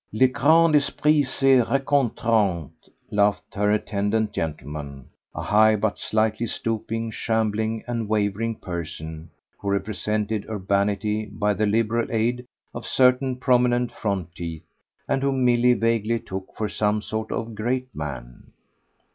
"Les grands esprits se rencontrent!" laughed her attendant gentleman, a high but slightly stooping, shambling and wavering person who represented urbanity by the liberal aid of certain prominent front teeth and whom Milly vaguely took for some sort of great man.